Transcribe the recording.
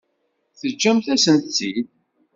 Teǧǧamt-asent-tt-id.